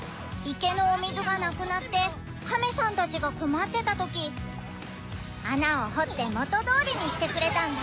池のお水がなくなってカメさんたちが困ってたとき穴を掘ってもとどおりにしてくれたんだ。